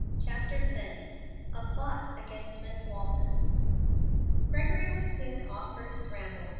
CHAPTER X A PLOT AGAINST MISS WALTON Gregory was soon off for his ramble.